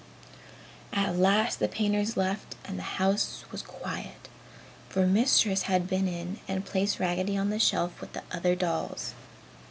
At last the painters left and the house was quiet, for Mistress had been in and placed Raggedy on the shelf with the other dolls.